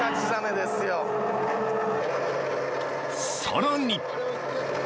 ［さらに］